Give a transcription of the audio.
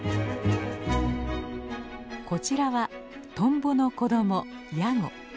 こちらはトンボの子どもヤゴ。